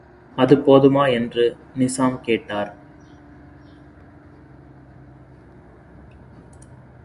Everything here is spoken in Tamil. அது போதுமா! என்று நிசாம் கேட்டார்.